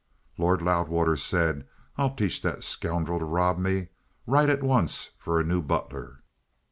Lord Loudwater said: "I'll teach the scoundrel to rob me! Write at once for a new butler."